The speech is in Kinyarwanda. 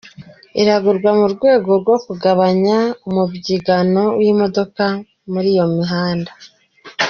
Iragurwa mu rwego rwo kugabanya umubyigano w’imodoka muri iyo mihanda.